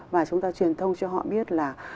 và chúng ta truyền thông cho họ biết là